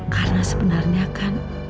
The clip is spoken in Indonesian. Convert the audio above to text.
karena sebenarnya kan